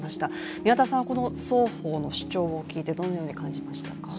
宮田さんはこの双方の主張を聞いてどのように感じましたか？